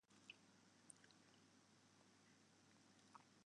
Yn de moderne maatskippij fynt in konsintraasje plak fan bedriuwen.